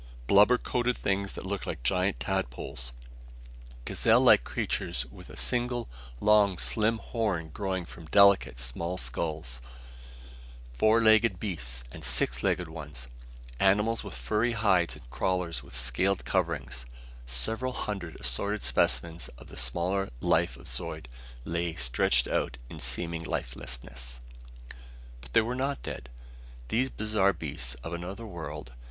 Blubber coated things that looked like giant tadpoles, gazelle like creatures with a single, long slim horn growing from delicate small skulls, four legged beasts and six legged ones, animals with furry hides and crawlers with scaled coverings several hundred assorted specimens of the smaller life of Zeud lay stretched out in seeming lifelessness. But they were not dead, these bizarre beasts of another world.